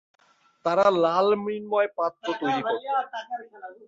তারা লাল মৃন্ময় পাত্র তৈরি করত।